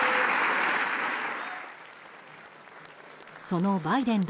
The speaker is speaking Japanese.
そのバイデン